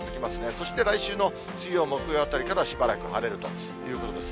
そして来週の水曜、木曜あたりからしばらく晴れるということです。